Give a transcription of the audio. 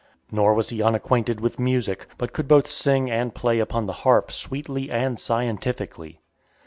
Nor was he unacquainted with music, but could both sing and play upon the harp sweetly and scientifically.